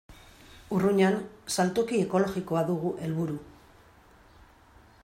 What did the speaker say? Urruñan saltoki ekologikoa dugu helburu.